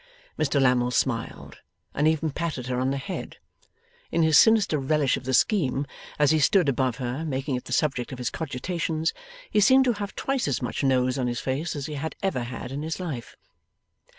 Mr Lammle smiled, and even patted her on the head. In his sinister relish of the scheme, as he stood above her, making it the subject of his cogitations, he seemed to have twice as much nose on his face as he had ever had in his life.